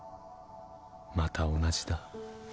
また同じだ。